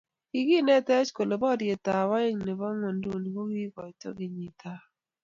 Kikinetech kole poryetab aeng nebo ingwenduni kokitoi kenyiitab